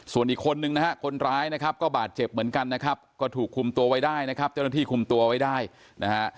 ส่วนอีกคนนึงนะฮะคนร้ายนะครับก็บาดเจ็บเหมือนกันนะครับก็ถูกคุมตัวไว้ได้นะครับเจ้าหน้าที่คุมตัวไว้ได้นะฮะ